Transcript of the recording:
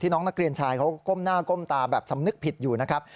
น้องนักเรียนชายเขาก้มหน้าก้มตาแบบสำนึกผิดอยู่นะครับ